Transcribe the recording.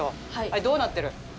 あれどうなってる？